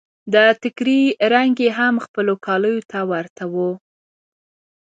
د ټکري رنګ يې هم خپلو کاليو ته ورته و.